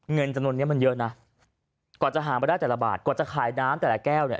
เงินจำนวนนี้มันเยอะนะกว่าจะหามาได้แต่ละบาทกว่าจะขายน้ำแต่ละแก้วเนี่ย